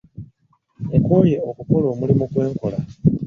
Nkooye okukola omulimu gwe nkola.